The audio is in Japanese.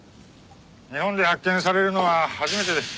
日本で発見されるのは初めてです。